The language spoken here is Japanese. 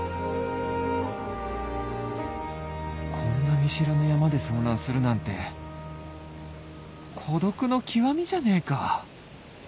こんな見知らぬ山で遭難するなんて孤独の極みじゃねえか